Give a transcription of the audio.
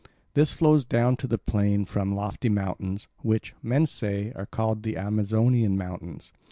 This flows down to the plain from lofty mountains, which, men say, are called the Amazonian mountains.